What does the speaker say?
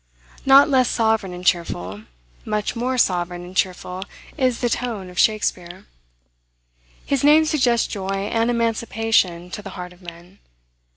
Not less sovereign and cheerful, much more sovereign and cheerful is the tone of Shakspeare. His name suggests joy and emancipation to the heart of men.